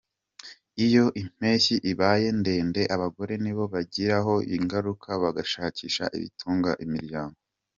Iyo impeshyi ibaye ndende, abagore nibo bigiraho ingaruka bashakisha ibitunga imiryango.